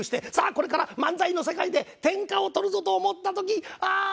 これから漫才の世界で天下を取るぞと思った時ああー！